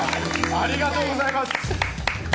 ありがとうございます。